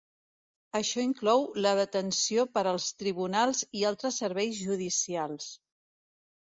Això inclou la detenció per als tribunals i altres serveis judicials.